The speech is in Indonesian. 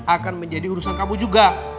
akan menjadi urusan kamu juga